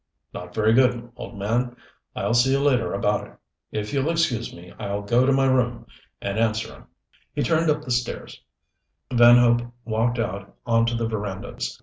"Not very good, old man. I'll see you later about it. If you'll excuse me I'll go to my room and answer 'em." He turned up the stairs Van Hope walked out onto the verandas.